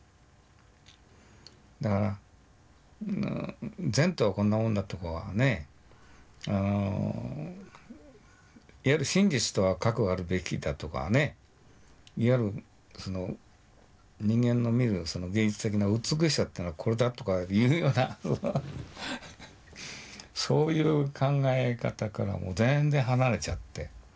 だから善とはこんなもんだとかはねあのいわゆる真実とはかくあるべきだとかねいわゆるその人間の見る芸術的な美しさってのはこれだとかいうようなそういう考え方からもう全然離れちゃって。